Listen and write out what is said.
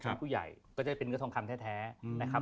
ผู้ใหญ่ก็จะได้เป็นเนื้อทองคำแท้นะครับ